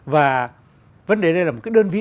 và vấn đề này là một cái đơn vị